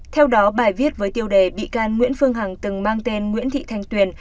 theo đó bài viết với tiêu đề bị can nguyễn phương hằng từng mang tên nguyễn thị thanh tuyền